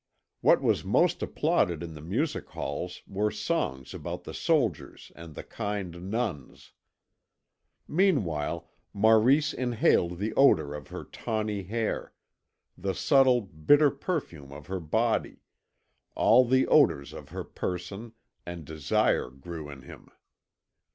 What was most applauded in the music halls were songs about the soldiers and the kind nuns. Meanwhile Maurice inhaled the odour of her tawny hair, the subtle bitter perfume of her body, all the odours of her person, and desire grew in him.